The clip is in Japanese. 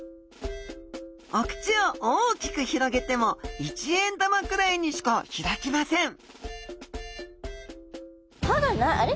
お口を大きく広げても一円玉くらいにしか開きませんあれ？